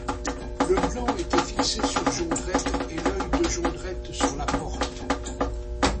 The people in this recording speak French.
Leblanc était fixé sur Jondrette et l'oeil de Jondrette sur la porte.